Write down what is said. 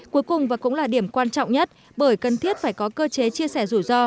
cuối cùng và cũng là điểm quan trọng nhất bởi cần thiết phải có cơ chế chia sẻ rủi ro